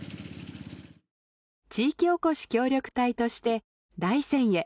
地域おこし協力隊として大山へ。